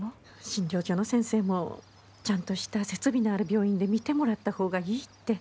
診療所の先生もちゃんとした設備のある病院で診てもらった方がいいって。